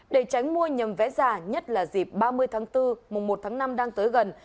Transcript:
để tránh mua nhầm vé giả nhất là dịp ba mươi tháng bốn mùa một tháng năm đang tới gần